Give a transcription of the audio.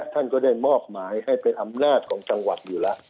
ท่านก็ได้มอบหมายให้เป็นอำนาจของจังหวัดอยู่แล้ว